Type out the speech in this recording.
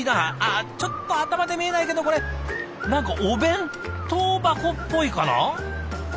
ああちょっと頭で見えないけどこれ何かお弁当箱っぽいかな？